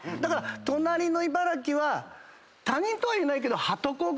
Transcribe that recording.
隣の茨城は他人とはいえないけど。